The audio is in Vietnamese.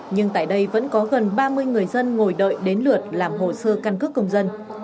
nhưng tại đây vẫn có gần ba mươi người dân ngồi đợi đến lượt làm hồ sơ căn cước công dân